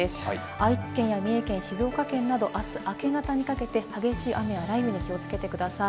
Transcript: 愛知県や三重県、静岡県など、あす明け方にかけて激しい雨や雷雨に気をつけてください。